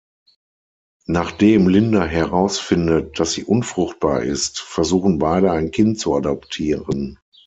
Nachdem Linda herausfindet, dass sie unfruchtbar ist, versuchen beide, ein Kind zu adoptieren.